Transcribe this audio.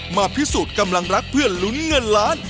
มาพิสูจน์กำลังรักเพื่อลุ้นเงินล้าน